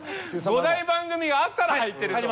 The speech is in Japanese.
五大番組があったら入ってると。